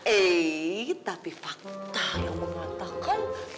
eh tapi fakta yang mengatakan